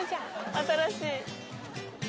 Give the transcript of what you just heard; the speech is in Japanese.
新しい。